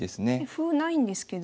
歩ないんですけど。